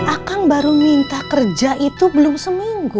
akang baru minta kerja itu belum seminggu